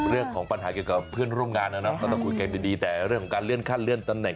เรื่องของปัญหาเกี่ยวกับเพื่อนร่วมงานนะเนาะก็ต้องคุยกันดีแต่เรื่องของการเลื่อนขั้นเลื่อนตำแหน